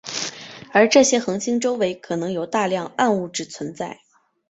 而这些恒星周围可能有大量暗物质存在。